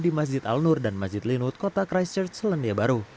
di masjid al nur dan masjid linud kota christchurch selandia baru